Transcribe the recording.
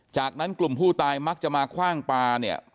จากนั้นกลุ่มผู้ตายมักจะมาคว่างปลาเนี่ย